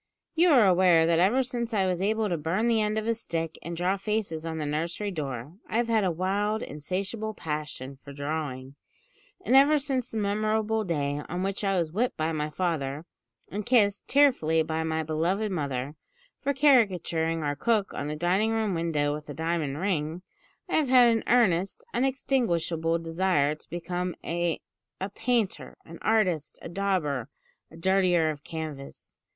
"You are aware that ever since I was able to burn the end of a stick and draw faces on the nursery door, I have had a wild, insatiable passion for drawing; and ever since the memorable day on which I was whipped by my father, and kissed, tearfully, by my beloved mother, for caricaturing our cook on the dining room window with a diamond ring, I have had an earnest, unextinguishable desire to become a a painter, an artist, a dauber, a dirtier of canvas.